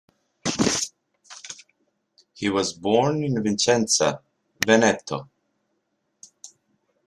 He was born in Vicenza, Veneto.